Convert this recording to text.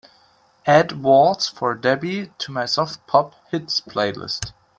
Add Waltz for Debby to my Soft Pop Hits playlist.